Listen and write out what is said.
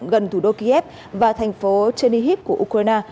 gần thủ đô kiev và thành phố chenyv của ukraine